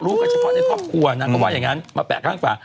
เฉพาะในครอบครัวนางก็ว่าอย่างนั้นมาแปะข้างฝา